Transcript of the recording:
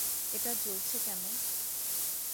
এটা জ্বলছে কেন?